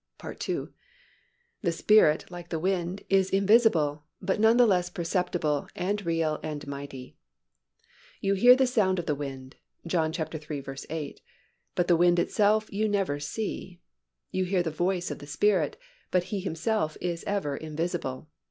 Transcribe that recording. (2) The Spirit like the wind is invisible but none the less perceptible and real and mighty. You hear the sound of the wind (John iii. 8) but the wind itself you never see. You hear the voice of the Spirit but He Himself is ever invisible.